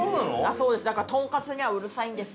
そうです。